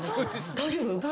大丈夫？